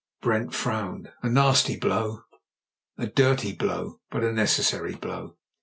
Brent frowned. "A nasty blow, a dirty blow, but a necessary blow."